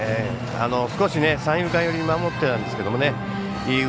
少し三遊間寄りに守っていたんですけどね